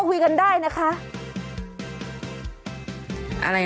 อยู่นี่หุ่นใดมาเพียบเลย